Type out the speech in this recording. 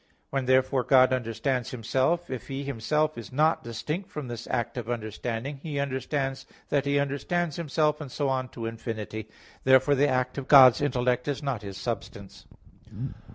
When therefore God understands Himself, if He Himself is not distinct from this act of understanding, He understands that He understands Himself; and so on to infinity. Therefore the act of God's intellect is not His substance.